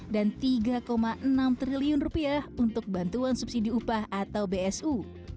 dan rp tiga enam triliun untuk bantuan subsidi upah atau bsu